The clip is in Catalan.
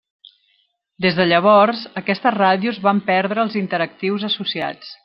Des de llavors, aquestes ràdios van perdre els interactius associats.